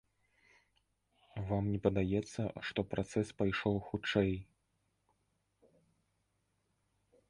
Вам не падаецца, што працэс пайшоў хутчэй?